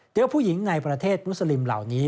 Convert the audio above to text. โดยผู้หญิงในประเทศมุสลิมเหล่านี้